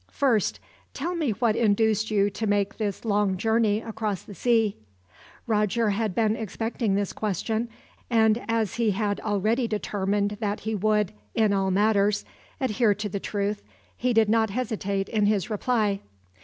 "First, tell me what induced you to make this long journey across the sea." Roger had been expecting this question, and as he had already determined that he would, in all matters, adhere to the truth, he did not hesitate in his reply.